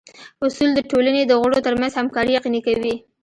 اصول د ټولنې د غړو ترمنځ همکاري یقیني کوي.